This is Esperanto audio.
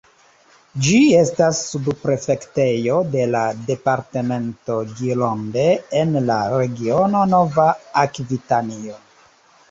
Ĝi estas subprefektejo de la departemento Gironde, en la regiono Nova Akvitanio.